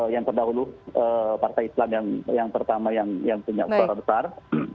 yang terdahulu partai islam yang pertama yang punya suara besar